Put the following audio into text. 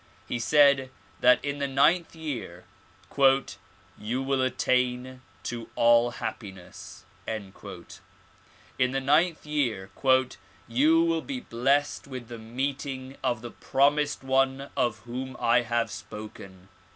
He said that in the ninth year "you will attain to all happiness;" in the ninth year '' you will be blessed with the meeting of the promised one of whom I have spoken.